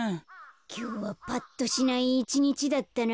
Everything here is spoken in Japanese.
きょうはぱっとしないいちにちだったな。